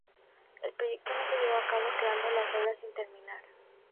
El proyecto no se llevó a cabo, quedando las obras sin terminar.